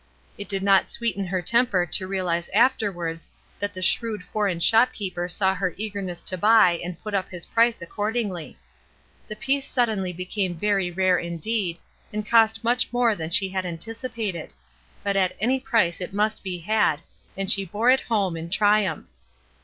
It did not sweeten her temper to realize after wards that the shrewd foreign shopkeeper saw her eagerness to buy and put up his price accordingly. The piece suddenly became very rare indeed, and cost much more than she had anticipated; but at any price it must be had, and she bore it home in triumph.